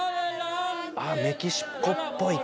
あっメキシコっぽい。